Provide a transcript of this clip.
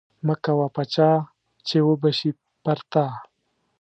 مه کوه په چا چې وبه شي پر تا